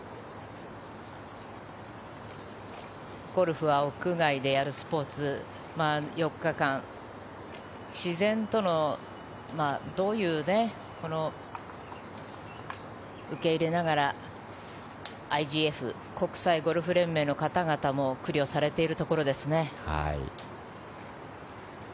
ゴルフは屋外でやるスポーツ４日間、自然とどういう受け入れながらＩＧＦ・国際ゴルフ連盟の方々も苦慮されているところですね。